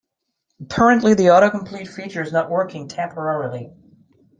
Apparently, the autocomplete feature is not working temporarily.